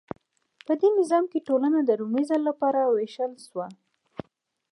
په دې نظام کې ټولنه د لومړي ځل لپاره ویشل شوه.